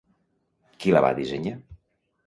Qui la va dissenyar?